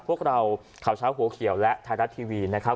พวกเราข่าวเช้าหัวเขียวและไทยรัฐทีวีนะครับ